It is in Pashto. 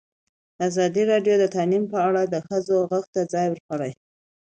ازادي راډیو د تعلیم په اړه د ښځو غږ ته ځای ورکړی.